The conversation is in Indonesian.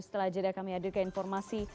setelah jeda kami adil ke informasi